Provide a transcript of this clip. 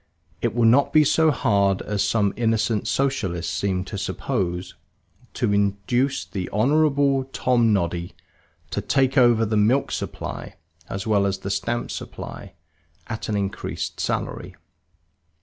It will not be so hard as some innocent Socialists seem to suppose to induce the Honorable Tomnoddy to take over the milk supply as well as the stamp supply at an increased salary.